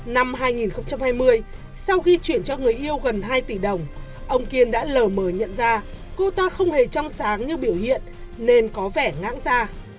năm hai nghìn hai mươi sau khi chuyển cho người yêu gần hai tỷ đồng ông kiên đã lờ mờ nhận ra cô ta không hề trong sáng như biểu hiện nên có vẻ ngãn ra